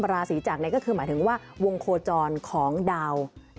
ราศีจักรก็คือหมายถึงว่าวงโคจรของดาว